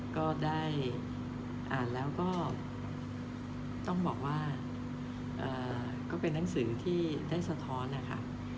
ก็ได้อ่านแล้วก็ต้องบอกว่าก็เป็นนังสือที่ได้สะท้อนนะคะ